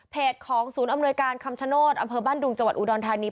ของศูนย์อำนวยการคำชโนธอำเภอบ้านดุงจังหวัดอุดรธานี